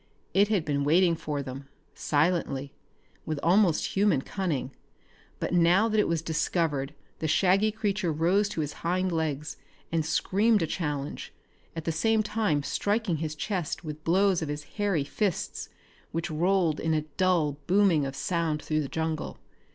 It had been waiting for them, silently, with almost human cunning; but now that it was discovered the shaggy creature rose to his hind legs and screamed a challenge, at the same time striking his chest with blows of his hairy fists which rolled in a dull booming of sound through the jungle.